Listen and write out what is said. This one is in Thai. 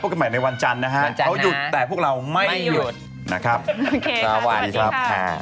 กันใหม่ในวันจันทร์นะฮะเขาหยุดแต่พวกเราไม่หยุดนะครับโอเคสวัสดีครับค่ะ